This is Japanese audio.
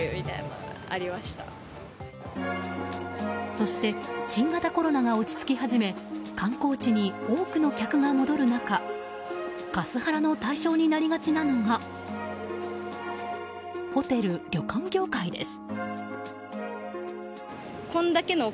そして新型コロナが落ち着き始め観光地に多くの客が戻る中カスハラの対象になりがちなのがホテル・旅館業界です。